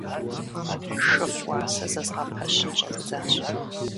ШыфӀ уасэ зэзгъэпэщын щӀэздзащ.